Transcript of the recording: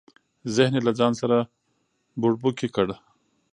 ذهن یې له ځانه سره بوړبوکۍ کړ.